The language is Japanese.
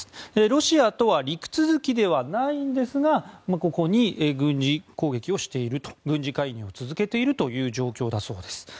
ロシアとは陸続きではないんですが軍事介入を続けているという状況だそうです。